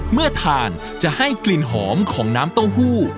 เมื่อทานจะให้กลิ่นหอมของน้ำเต้าหู้